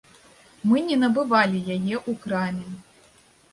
Мы не набывалі яе ў краме.